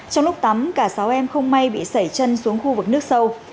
trong lúc tắm cả sáu em không may bị sảy chân xuống khu vực nước sâu